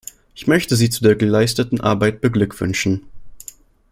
Ich möchte Sie zu der geleisteten Arbeit beglückwünschen.